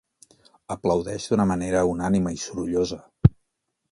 Aplaudeix d'una manera unànime i sorollosa.